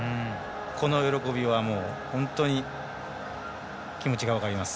この喜びは本当に気持ちが分かります。